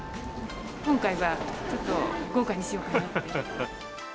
今回はちょっと豪華にしようかなって。